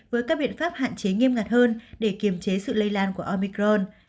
với các biện pháp hạn chế nghiêm ngặt hơn để kiềm chế sự lây lan của omicron